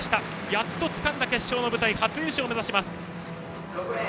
やっとつかんだ決勝の舞台初優勝を目指します。